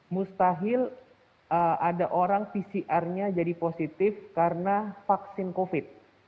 mustahil ada orang pcr nya jadi positif karena vaksin covid